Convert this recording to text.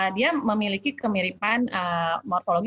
dia memiliki kemiripan morfologi